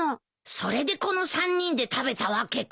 それでこの３人で食べたわけか。